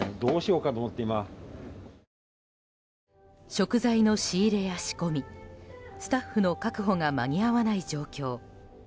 食材の仕入れや仕込みスタッフの確保が間に合わない状況。